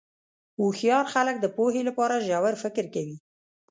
هوښیار خلک د پوهې لپاره ژور فکر کوي.